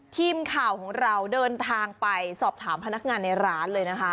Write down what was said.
ทีมข่าวของเราเดินทางไปสอบถามพนักงานในร้านเลยนะคะ